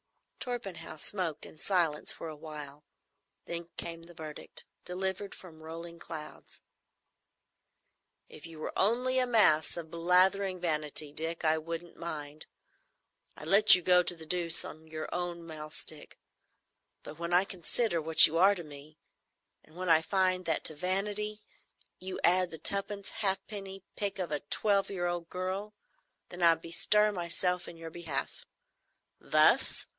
Torpenhow smoked in silence for a while. Then came the verdict, delivered from rolling clouds: "If you were only a mass of blathering vanity, Dick, I wouldn't mind,—I'd let you go to the deuce on your own mahl stick; but when I consider what you are to me, and when I find that to vanity you add the twopenny halfpenny pique of a twelve year old girl, then I bestir myself in your behalf. Thus!"